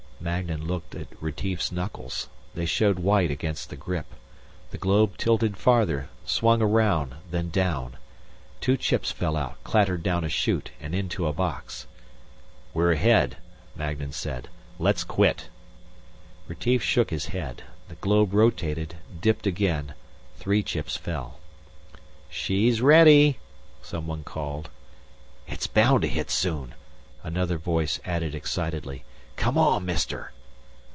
Magnan looked at Retief's knuckles. They showed white against the grip. The globe tilted farther, swung around, then down; two chips fell out, clattered down a chute and into a box. "We're ahead," Magnan said. "Let's quit." Retief shook his head. The globe rotated, dipped again; three chips fell. "She's ready," someone called. "It's bound to hit soon," another voice added excitedly. "Come on, Mister!"